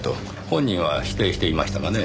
本人は否定していましたがね。